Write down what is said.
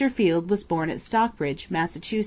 Field was born at Stockbridge, Mass.